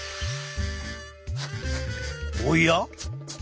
おや？